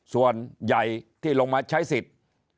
ส่วนใหญ่ที่ลงมาใช้สิทธิ์